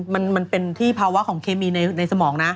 มันเป็นที่ภาวะของเคมีในสมองนะ